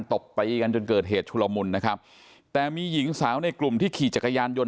ตบตีกันจนเกิดเหตุชุลมุนนะครับแต่มีหญิงสาวในกลุ่มที่ขี่จักรยานยนต